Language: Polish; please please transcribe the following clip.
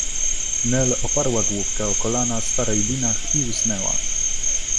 Nel oparła główkę o kolana starej Dinah i usnęła.